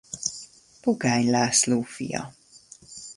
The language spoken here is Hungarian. Pogány László fia.